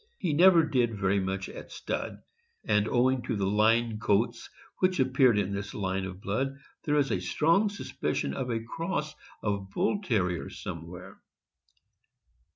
He never did very much at stud, and owing to the line coats which appeared in this line of blood, there is a strong suspicion of a cross of Bull Terrier somewhere.